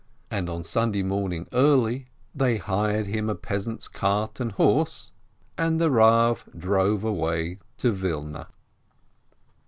and on Sunday morning early they hired him THE MISFORTUNE 23 a peasant's cart and horse — and the Rav drove away to Wilna.